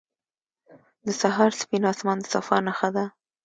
• د سهار سپین آسمان د صفا نښه ده.